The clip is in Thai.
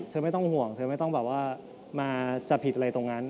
เธอไม่ต้องห่วงเธอไม่ต้องมาจับผิดอะไรตรงนั้น